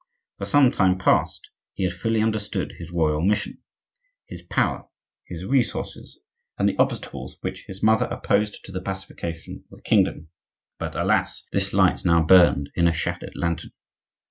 For some time past he had fully understood his royal mission, his power, his resources, and the obstacles which his mother opposed to the pacification of the kingdom; but alas! this light now burned in a shattered lantern.